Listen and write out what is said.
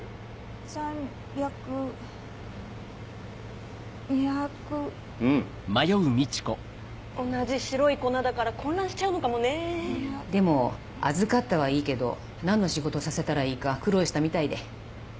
３００２００うん同じ白い粉だから混乱しちゃうのかもねぇでも預かったはいいけど何の仕事をさせたらいいか苦労したみたいで。